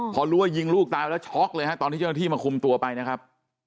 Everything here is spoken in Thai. พอรู้ว่ายิงลูกตายแล้วช็อกเลยฮะตอนที่เจ้าหน้าที่มาคุมตัวไปนะครับ